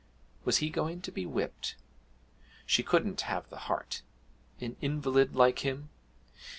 Was he going to be whipped? she couldn't have the heart an invalid like him!